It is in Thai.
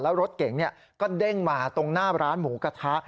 แล้วรถเก๋งก็เด้งมาตรงหน้าร้านหมูกระทะ